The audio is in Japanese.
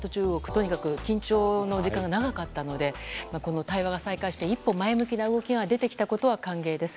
とにかく緊張の時間が長かったので対話が再開されて一歩前向きな動きが出たのは歓迎です。